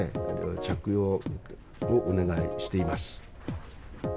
着用をお願いしています。